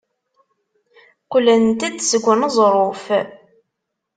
Qqlent-d seg uneẓruf.